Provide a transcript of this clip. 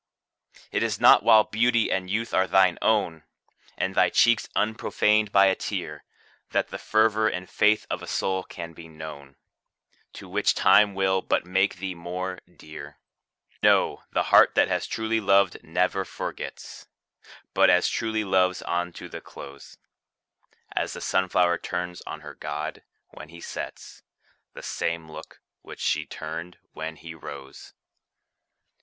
It is not while beauty and youth are thine own, And thy cheeks unprofaned by a tear, That the fervor and faith of a soul can be known, To which time will but make thee more dear; No, the heart that has truly loved never forgets, But as truly loves on to the close, As the sun flower turns on her god, when he sets, The same look which she turned when he rose.